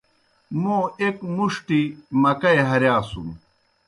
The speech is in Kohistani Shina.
موں ایْک مُݜٹیْ مکئی ہرِیاسُن۔